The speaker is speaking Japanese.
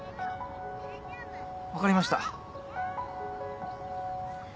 分かりました。